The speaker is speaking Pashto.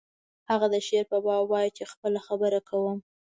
هغه د شعر په باب وایی چې خپله خبره کوم